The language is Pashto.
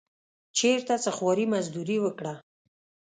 چېرته څه خواري مزدوري وکړه.